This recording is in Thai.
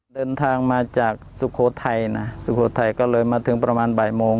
เดินทางมาจากสุโขทัยนะสุโขทัยก็เลยมาถึงประมาณบ่ายโมง